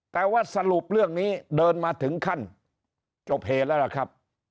แต่ว่าสรุปเรื่องนี้เดินมาถึงขั้นจบเหตุแล้วล่ะครับ